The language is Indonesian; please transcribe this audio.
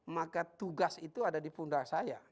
maka tugas itu ada di pundak saya